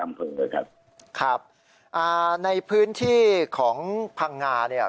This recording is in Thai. ครับครับอ่าในพื้นที่ของพังงาเนี่ย